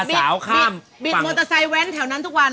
บิดมอเตอร์ไซค์แว้นแถวนั้นทุกวัน